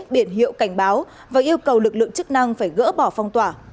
biển hiệu cảnh báo và yêu cầu lực lượng chức năng phải gỡ bỏ phong tỏa